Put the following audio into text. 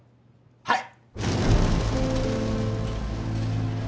はい！